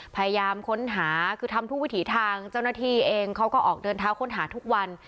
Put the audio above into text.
พยายามค้นหาคือทำทุกวิถีทางเจ้าหน้าที่เองเขาก็ออกเดินเท้าค้นหาทุกวัน